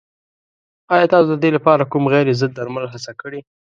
ایا تاسو د دې لپاره کوم غیر ضد درمل هڅه کړې؟